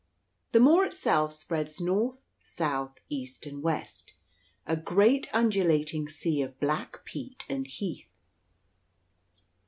The moor itself spreads north, south, east, and west, a great undulating sea of black peat and heath.